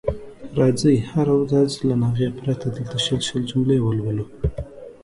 راځئ هره ورځ له ناغې پرته دلته شل شل جملې ولولو.